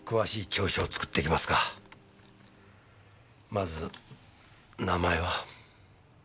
まず名前は？